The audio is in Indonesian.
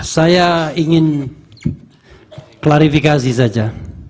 saya ingin klarifikasi saja